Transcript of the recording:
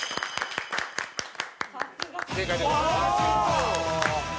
正解でございます。